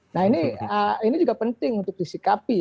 nah ini juga penting untuk disikapi